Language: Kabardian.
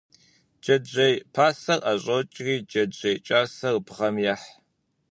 Джэджьей пасэр ӏэщӏокӏри, джэджьей кӏасэр бгъэм ехь.